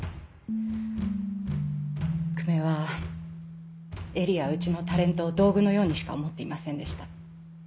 久米は絵理やうちのタレントを道具のようにしか思っていませんでした。